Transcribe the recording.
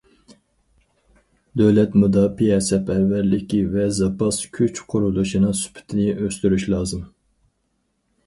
دۆلەت مۇداپىئە سەپەرۋەرلىكى ۋە زاپاس كۈچ قۇرۇلۇشىنىڭ سۈپىتىنى ئۆستۈرۈش لازىم.